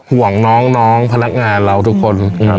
ห่วงน้องพนักงานเราทุกคน